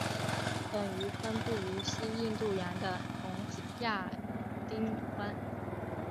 本鱼分布于西印度洋的红海及亚丁湾。